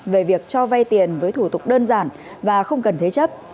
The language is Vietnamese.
về việc cho vay tiền với thủ tục đơn giản và không cần thế chấp